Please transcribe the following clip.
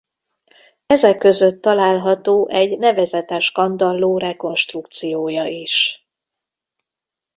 Ezek között található egy nevezetes kandalló rekonstrukciója is.